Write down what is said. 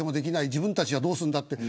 自分たちはどうするんだと。